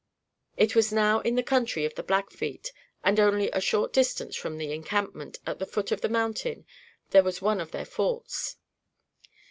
It was now in the country of the Blackfeet; and, only a short distance from the encampment, at the foot of the mountain, there was one of their forts.